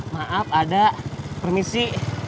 maaf ada permisi